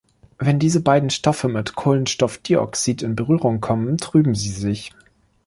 Wenn diese beiden Stoffe mit Kohlenstoffdioxid in Berührung kommen, trüben sie sich.